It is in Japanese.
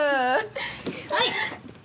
はい！